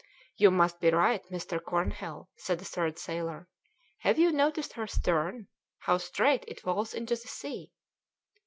"You must be right, Mr. Cornhill," said a third sailor. "Have you noticed her stern, how straight it falls into the sea?"